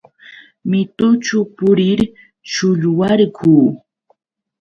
Mitućhu purir shullwarquu.